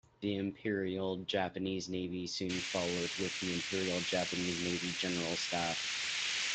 The Imperial Japanese Navy soon followed with the Imperial Japanese Navy General Staff.